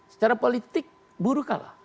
secara politik buruh kalah